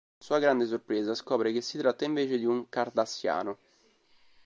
Con sua grande sorpresa, scopre che si tratta invece di un Cardassiano.